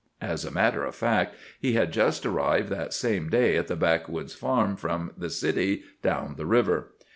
As a matter of fact, he had just arrived that same day at the backwoods farm from the city down the river.